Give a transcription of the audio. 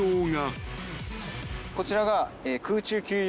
こちらが。